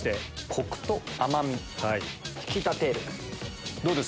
・コクと甘み引き立てる・どうです？